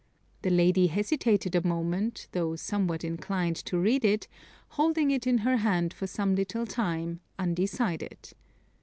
The lady hesitated a moment, though somewhat inclined to read it, holding it in her hand for some little time, undecided.